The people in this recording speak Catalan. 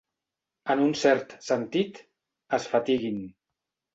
En un cert sentit, es fatiguin.